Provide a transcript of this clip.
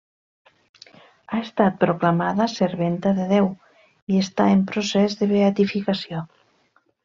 Ha estat proclamada serventa de Déu i està en procés de beatificació.